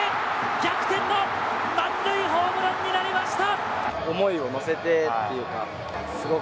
逆転の満塁ホームランになりました！